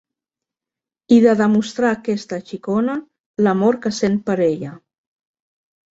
I de demostrar a aquesta xicona l'amor que sent per ella.